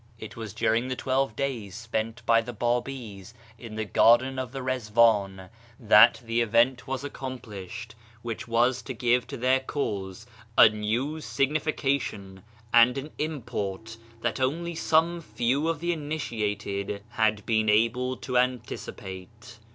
It was during the twelve days spent by the Babis in the Garden of the Ri?wan that the event was accomplished which was to give to their Cause a new signification and an import that only some few of the initiated had been able to anticipate.